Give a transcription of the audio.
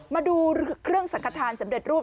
มาดูเครื่องสังขทานสำเร็จรูป